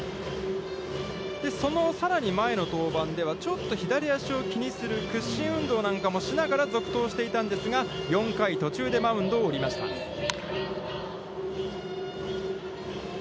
そのさらに前の登板では、ちょっと左足わきに屈伸運動なんかもしながら、続投していたんですが４回途中でマウンドを降りました。